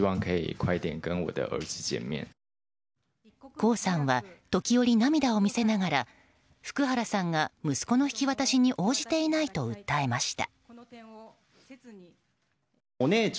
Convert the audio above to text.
江さんは時折、涙を見せながら福原さんが息子の引き渡しに応じていないと訴えました。